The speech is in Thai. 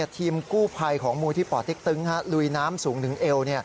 ทีมกู้ภัยของมูลที่ป่อเต็กตึงลุยน้ำสูงถึงเอว